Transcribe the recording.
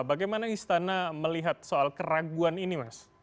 bagaimana istana melihat soal keraguan ini mas